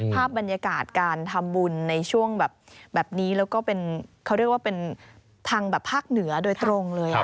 ภาพบรรยากาศการทำบุญในช่วงแบบแบบนี้แล้วก็เป็นเขาเรียกว่าเป็นทางแบบภาคเหนือโดยตรงเลย